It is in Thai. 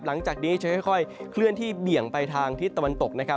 หลังจากนี้จะค่อยเคลื่อนที่เบี่ยงไปทางทิศตะวันตกนะครับ